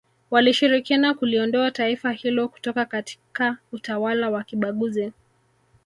walishirikiana kuliondoa taifa hilo kutoka katika utawala wa kibaguzi